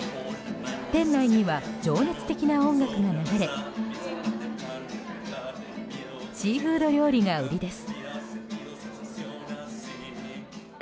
店内には情熱的な音楽が流れシーフード料理が売りです。